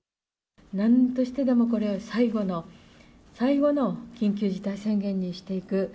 なんとしてでもこれを最後の、最後の緊急事態宣言にしていく。